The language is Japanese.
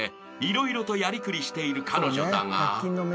色々とやりくりしている彼女だが］